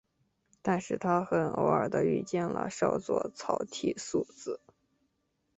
但是他很偶然地遇见了少佐草剃素子。